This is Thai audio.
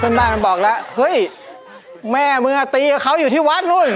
เพื่อนบ้านมันบอกแล้วเฮ้ยแม่มึงตีกับเขาอยู่ที่วัดนู้น